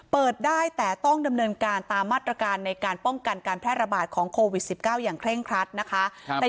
เปิดได้แต่ต้องดำเนินการตามมาตรการในการป้องกันการแพร่ระบาดของโควิด๑๙อย่างเคร่งครัดนะคะ